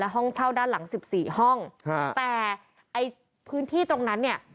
ห้องเช่าด้านหลังสิบสี่ห้องแต่ไอ้พื้นที่ตรงนั้นเนี่ย